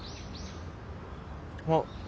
あっ